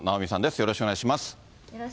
よろしくお願いします。